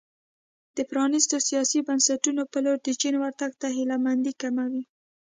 د پرانیستو سیاسي بنسټونو په لور د چین ورتګ ته هیله مندي کموي.